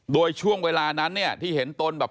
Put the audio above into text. โดยช่วงเวลานั้นเนี่ยที่เห็นตนแบบ